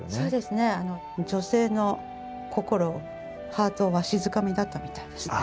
女性の心をハートをわしづかみだったみたいですね。